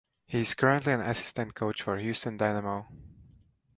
He is currently an assistant coach for Houston Dynamo.